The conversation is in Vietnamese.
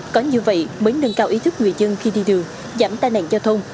có như vậy mới nâng cao ý thức người dân khi đi đường giảm tai nạn giao thông